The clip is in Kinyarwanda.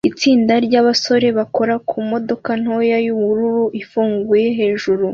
Itsinda ryabasore bakora kumodoka ntoya yubururu ifunguye hejuru